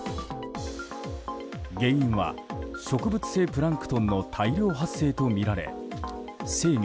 原因は植物性プランクトンの大量発生とみられ成魚